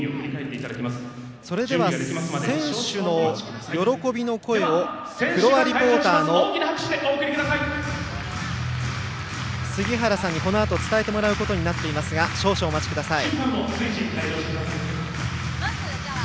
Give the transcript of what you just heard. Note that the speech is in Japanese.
それでは選手の喜びの声をフロアリポーターの杉原さんにこのあと伝えてもらうことになっていますが少々、お待ちください。